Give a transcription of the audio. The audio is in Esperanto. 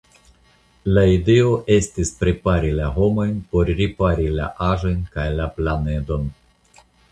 La ideo estis prepari la homojn por ripari la aĵojn kaj la planedon.